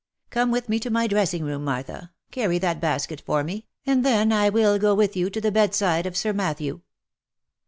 Come with me to my dressing room, Martha, carry that basket for me, and then I will go with you to the bedside of Sir Matthew."